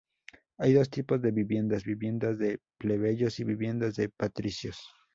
Hay dos tipos de viviendas: viviendas de plebeyos y viviendas de patricios.